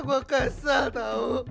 ke bapak siana